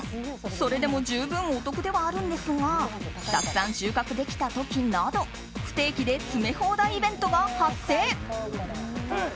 それでも十分お得ではあるんですがたくさん収穫できた時など不定期で詰め放題イベントが発生。